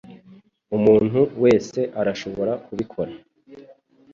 Umuntu wese arashobora kubikora.